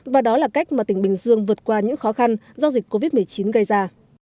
và đó là cách mà tỉnh bình dương vượt qua những khó khăn do dịch covid một mươi chín gây ra